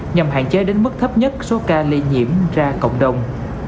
nhằm hạn chế đến mức thấp nhất số ca lây nhiễm ra cộng đồng